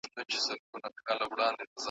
د ژوندون سفر لنډی دی مهارت غواړي عمرونه .